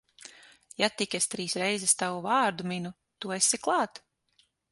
Ja tik es trīs reiz tavu vārdu minu, tu esi klāt.